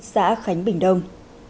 xã khánh bình đông